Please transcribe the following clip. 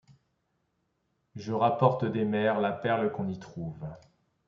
Je rapporte des mers la perle qu'on y trouve